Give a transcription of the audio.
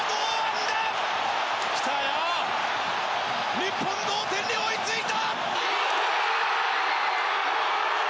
日本、同点に追いついた！